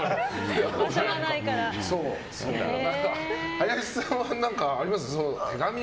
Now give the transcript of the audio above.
林さんは何かあります？